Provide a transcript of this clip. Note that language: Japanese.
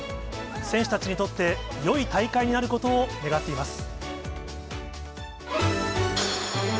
選手たちにとってよい大会になることを願っています。